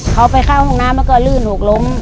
เขาไปเข้าห้องน้ำมันก็ลื่นหกล้ม